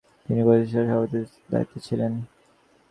তিনি প্রতিষ্ঠাতা সভাপতির দায়িত্বে ছিলেন।